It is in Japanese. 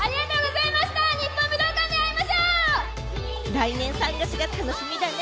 来年３月が楽しみだね！